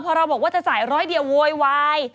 พอเราบอกว่าจะจ่ายร้อยเดียวโวยวาย